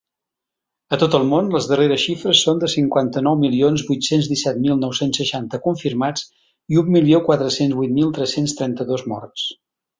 A tot el món, les darreres xifres són de cinquanta-nou milions vuit-cents disset mil nou-cents seixanta confirmats i un milió quatre-cents vuit mil tres-cents trenta-dos morts.